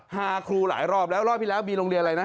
ครูหลายรอบแล้วรอบที่แล้วมีโรงเรียนอะไรนะ